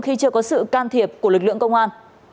khi chưa có sự can thiệp của lực lượng công an